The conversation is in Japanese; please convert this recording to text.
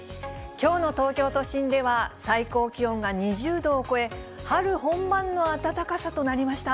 きょうの東京都心では、最高気温が２０度を超え、春本番の暖かさとなりました。